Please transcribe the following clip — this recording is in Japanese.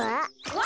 「わ！